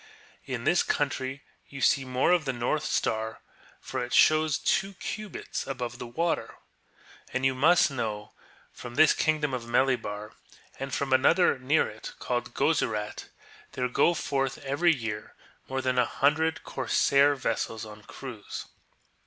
In this country you see more of the Xortii Star, for it shows two cubits above the water. \m\ you must know that from this kingdom of Melibar, and from another near it called (jo/urat, there go forth every year more than a himdred corsair vessels on cruize.